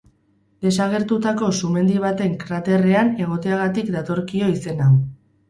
Desagertutako sumendi baten kraterrean egoteagatik datorkio izen hau.